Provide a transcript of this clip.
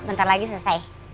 bentar lagi selesai